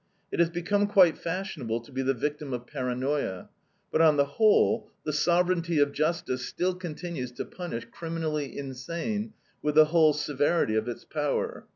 It has become quite fashionable to be the victim of paranoia. But on the whole the "sovereignty of justice" still continues to punish criminally insane with the whole severity of its power.